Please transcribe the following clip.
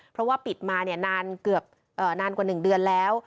เพราะว่าปิดมานานเกือบนานกว่า๑เดือนแล้ว